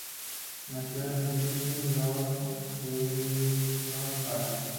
Nació en White Lodge, Richmond Park.